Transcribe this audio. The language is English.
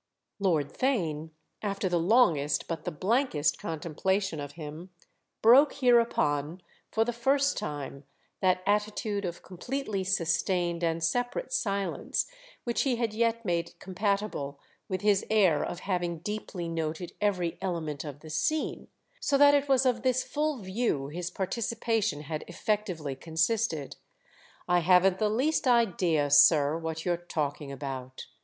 Lord Theign, after the longest but the blankest contemplation of him, broke hereupon, for the first time, that attitude of completely sustained and separate silence which he had yet made compatible with his air of having deeply noted every element of the scene—so that it was of this full view his participation had effectively consisted, "I haven't the least idea, sir, what you're talking about!"